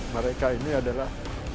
mereka ini adalah